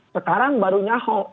sekarang baru nyaho